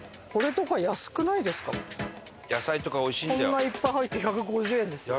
こんないっぱい入って１５０円ですよ。